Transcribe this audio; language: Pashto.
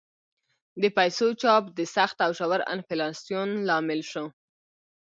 د پیسو چاپ د سخت او ژور انفلاسیون لامل شو.